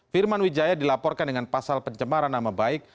firman wijaya dilaporkan dengan pasal pencemaran nama baik